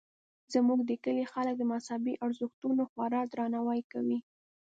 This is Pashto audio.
زموږ د کلي خلک د مذهبي ارزښتونو خورا درناوی کوي